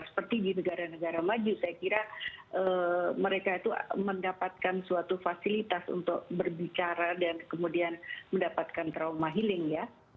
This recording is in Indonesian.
seperti di negara negara maju saya kira mereka itu mendapatkan suatu fasilitas untuk berbicara dan kemudian mendapatkan trauma healing ya